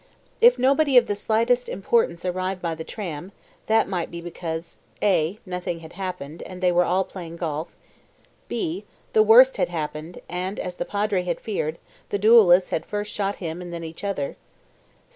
If nobody of the slightest importance arrived by the tram, that might be because (a) Nothing had happened, and they were all playing golf. (b) The worst had happened, and, as the Padre had feared, the duellists had first shot him and then each other.